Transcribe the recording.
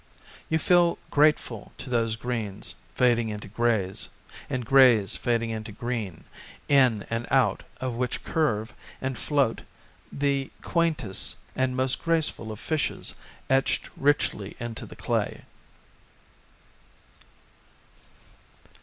You feel grateful to those greens fading into greys and greys fading into green, in and out of which curve and float the quaintest and most graceful of fishes etched richly into the'clay.